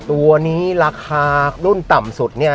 ตัวนี้ราคารุ่นต่ำสุดเนี่ย